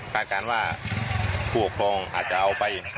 ปรากฏการณ์ว่าผู้ปกครองอาจจะเอาไป